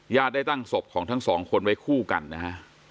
ได้ตั้งศพของทั้งสองคนไว้คู่กันนะฮะ